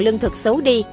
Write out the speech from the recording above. lương thực xấu đi